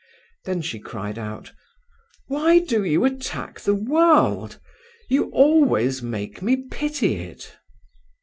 Then she cried out: "Why do you attack the world? You always make me pity it."